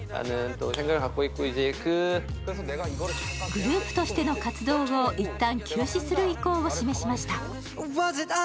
グループとしての活動をいったん休止する意向を示しました。